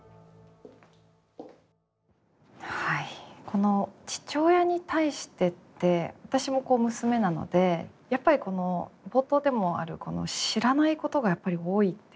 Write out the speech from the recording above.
この父親に対してって私も娘なのでやっぱりこの冒頭でもあるこの知らないことがやっぱり多いっていう意外と。